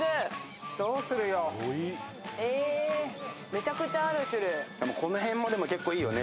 めちゃくちゃある、種類。